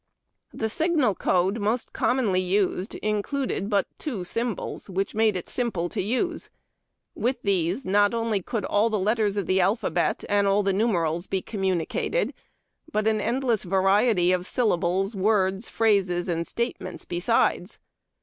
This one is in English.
The signal code most commonly used included but two symbols, which made it simple to use. With these, not only could all the letters of the alphabet and the numerals be communicated, but an endless variety of syllables, words, phrases, and statements besides.